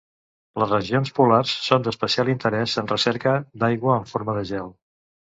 Les regions polars són d'especial interès, en recerca d'aigua en forma de gel.